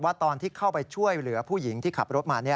ตอนที่เข้าไปช่วยเหลือผู้หญิงที่ขับรถมา